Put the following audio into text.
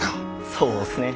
そうっすね。